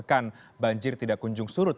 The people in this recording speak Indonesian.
dan banjir tidak kunjung surut